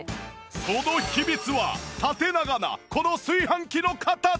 その秘密は縦長なこの炊飯器の形！